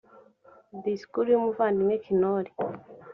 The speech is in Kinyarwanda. disikuru y umuvandimwe knorr